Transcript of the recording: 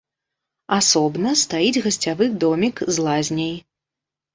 Асобна стаіць гасцявы домік з лазняй.